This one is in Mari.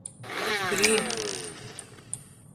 — Крӱ!